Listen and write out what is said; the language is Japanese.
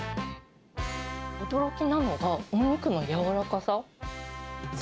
驚きなのが、お肉の柔らかさ。